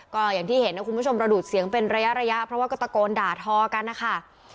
ก็อย่างที่เห็นนะคุณผู้ชมระดูดเสียงเป็นระยะเพราะว่าก็ตะโกนด่าทอกันนะคะ